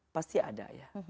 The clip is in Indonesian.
pasti ada ya